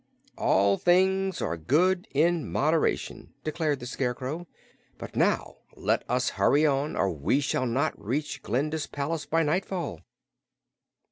"All things are good in moderation," declared the Scarecrow. "But now, let us hurry on, or we shall not reach Glinda's palace by nightfall."